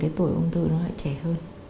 thì cái tuổi ung thư nó lại trẻ hơn